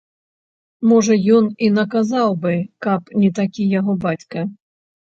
Можа, ён і наказаў бы, каб не такі яго бацька.